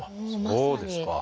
そうですか。